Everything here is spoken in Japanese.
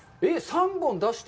３本出して？